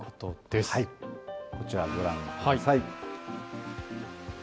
こちらご覧ください。